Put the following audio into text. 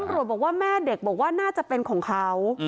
บอกว่าแม่เด็กบอกว่าน่าจะเป็นของเขา